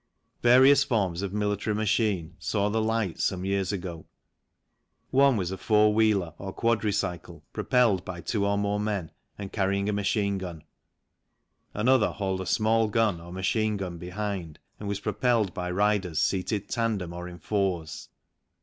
Various forms of military machine saw the light some years ago. One was a four wheeler, or quadricycle, propelled by two or more men and carrying a machine gun ; another hauled a small gun or machine gun behind, and was propelled by riders seated tandem or in fours.